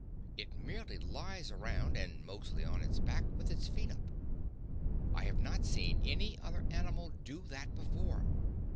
It merely lies around, and mostly on its back, with its feet up. I have not seen any other animal do that before.